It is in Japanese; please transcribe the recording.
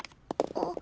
あっ。